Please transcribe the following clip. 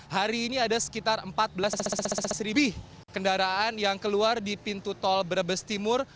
hari ini ada sekitar empat belas kendaraan yang keluar di pintu tol brebes timur